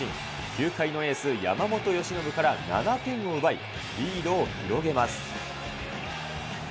球界のエース、山本由伸から７点を奪い、リードを広げます。